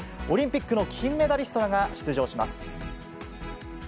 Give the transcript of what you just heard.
オリンピックの金メダリストらが出場します。